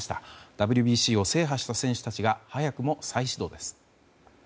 ＷＢＣを制覇した選手たちが早くも再始動です。